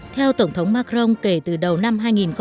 theo tổng thống macron kể từ đầu năm hai nghìn một mươi